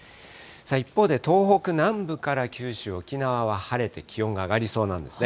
一方で、東北南部から九州、沖縄は晴れて気温が上がりそうなんですね。